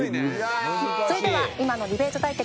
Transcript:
それでは今のディベート対決